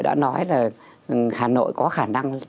đã nói là hà nội có khả năng